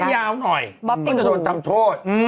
ขั้นยาวหน่อยเพราะจะโดนตำโทษ